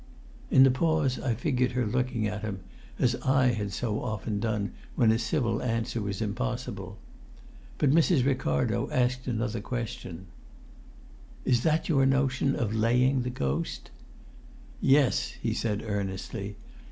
In the pause I figured her looking at him, as I had so often done when a civil answer was impossible. But Mrs. Ricardo asked another question instead. "Is that your notion of laying the ghost?" "Yes!" he said earnestly.